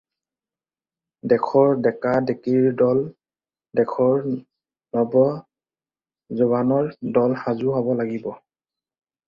দেশৰ ডেকা-ডেকেৰীৰ দল, দেশৰ নৱ যোৱানৰ দল সাজু, হ'ব লাগিব।